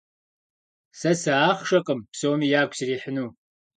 Сэ сыахъшэкъым псоми ягу срихьыну.